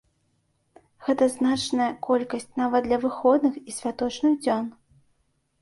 Гэта значная колькасць нават для выходных і святочных дзён.